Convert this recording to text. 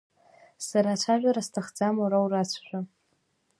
Сара ацәажәара сҭахӡам, уара урацәажәа!